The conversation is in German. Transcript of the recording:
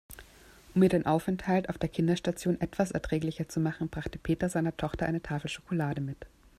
Um ihr den Aufenthalt auf der Kinderstation etwas erträglicher zu machen, brachte Peter seiner Tochter eine Tafel Schokolade mit.